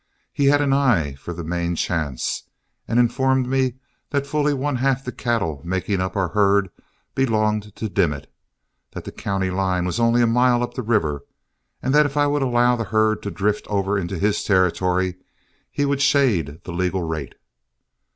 He had an eye for the main chance, and informed me that fully one half the cattle making up our herd belonged to Dimmit; that the county line was only a mile up the river, and that if I would allow the herd to drift over into his territory, he would shade the legal rate.